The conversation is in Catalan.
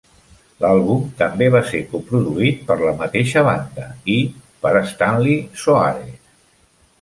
L'àlbum també va ser co-produït per la mateixa banda i per Stanley Soares.